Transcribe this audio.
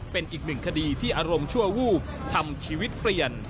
เป็นอีกหนึ่งคดีที่อารมณ์ชั่ววูบทำชีวิตเปลี่ยน